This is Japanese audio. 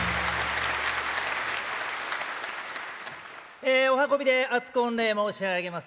ええお運びで厚く御礼申し上げます。